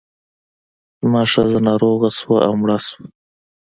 زما ښځه ناروغه شوه او مړه شوه.